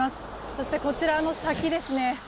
そしてこちらの先ですね